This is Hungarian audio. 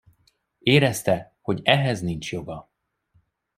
Érezte, hogy ehhez nincs joga.